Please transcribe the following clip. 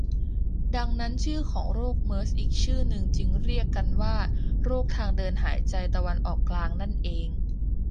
ดังนั้นชื่อของโรคเมอร์สอีกชื่อหนึ่งจึงเรียกกันว่า โรคทางเดินหายใจตะวันออกกลางนั่นเอง